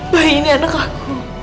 bayi ini anak aku